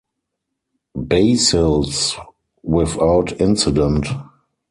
Basil's without incident.